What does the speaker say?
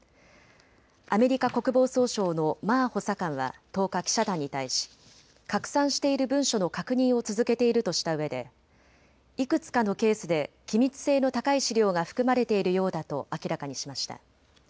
アメリカ国防総省のマー補佐官は１０日、記者団に対し拡散している文書の確認を続けているとしたうえでいくつかのケースで機密性の高い資料が含まれているようだと明らかにしました。